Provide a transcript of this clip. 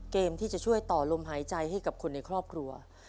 เกมที่จะช่วยต่อลมหายใจให้กับคนในครอบครัว